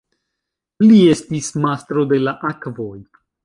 Li estis "Mastro de la akvoj".